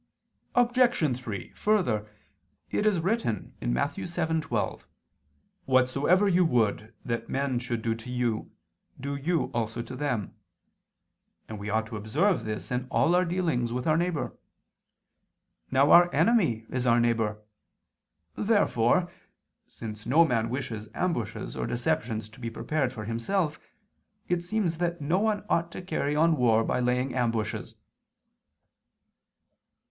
Obj. 3: Further, it is written (Matt. 7:12): "Whatsoever you would that men should do to you, do you also to them": and we ought to observe this in all our dealings with our neighbor. Now our enemy is our neighbor. Therefore, since no man wishes ambushes or deceptions to be prepared for himself, it seems that no one ought to carry on war by laying ambushes.